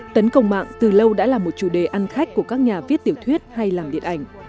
tấn công mạng từ lâu đã là một chủ đề ăn khách của các nhà viết tiểu thuyết hay làm điện ảnh